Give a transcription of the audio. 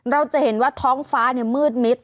เราจะเห็นว่าท้องฟ้ามืดมิด